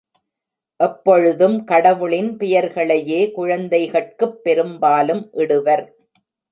எப்பொழுதும் கடவுளின் பெயர்களையே குழந்தைகட்குப் பெரும்பாலும் இடுவர்.